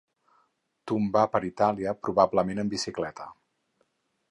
Tombar per Itàlia, probablement en bicicleta.